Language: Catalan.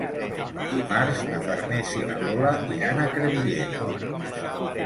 Dimarts na Farners i na Lola iran a Crevillent.